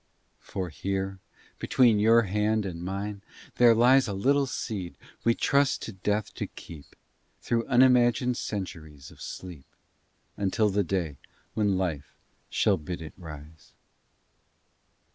For here between your hand and mine there lies A little seed we trust to Death to keep Through unimagined centuries of sleep Until the day when Life shall bid it rise.